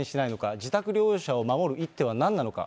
自宅療養者を守る一手はなんなのか。